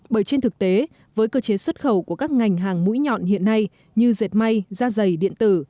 bởi trên thực tế với cơ chế xuất khẩu của các ngành hàng mũi nhọn hiện nay như dệt may da dày điện tử